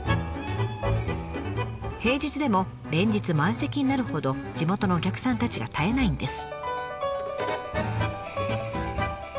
平日でも連日満席になるほど地元のお客さんたちが絶えないんです。